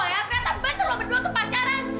ternyata bener lo berdua tuh pacaran